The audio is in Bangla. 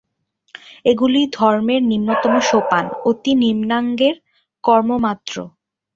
এগুলি ধর্মের নিম্নতম সোপান, অতি নিম্নাঙ্গের কর্মমাত্র।